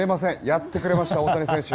やってくれました、大谷選手。